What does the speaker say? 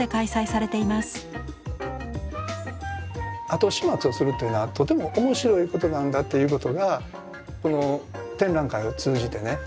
後始末をするというのはとても面白いことなんだということがこの展覧会を通じてね